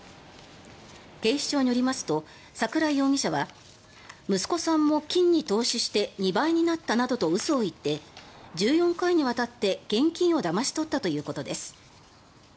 警視庁によりますと櫻井容疑者は息子さんも金に投資して２倍になったなどと嘘を言って１４回にわたって現金をだまし取ったということです。